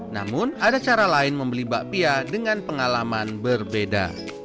namun ada cara lain membeli bakpia dengan pengalaman berbeda